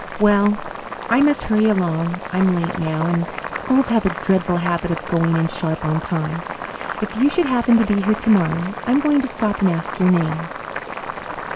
Well, I must hurry along. I'm late now, and schools have a dreadful habit of going in sharp on time. If you should happen to be here tomorrow, I'm going to stop and ask your name."